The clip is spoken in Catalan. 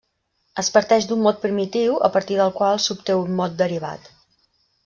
Es parteix d'un mot primitiu, a partir del qual s'obté un mot derivat.